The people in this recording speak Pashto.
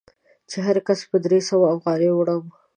چې هر کس په درې سوه افغانۍ وړم.